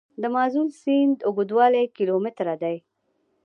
د مازون سیند اوږدوالی کیلومتره دی.